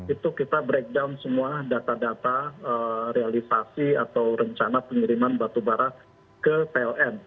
itu kita breakdown semua data data realisasi atau rencana pengiriman batubara ke pln